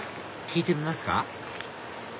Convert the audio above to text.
聞いてみますか？